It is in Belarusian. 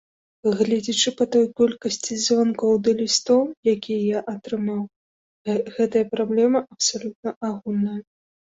Гледзячы па той колькасці званкоў ды лістоў, якія я атрымаў, гэтая праблема абсалютна агульная.